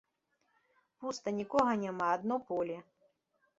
Пуста, нікога няма, адно поле.